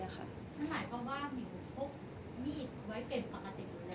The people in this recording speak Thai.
นั่นหมายความว่ามิวพกมีดไว้เป็นปกติอยู่แล้ว